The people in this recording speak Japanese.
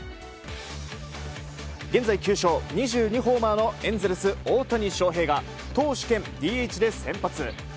現在９勝２２ホーマーのエンゼルス大谷翔平が投手兼ＤＨで先発。